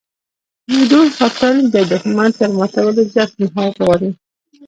د دوست ساتل د دښمن تر ماتولو زیات مهارت غواړي.